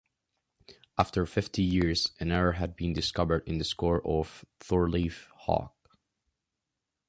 After fifty years an error had been discovered in the score of Thorleif Haug.